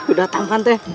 udah datang kan teh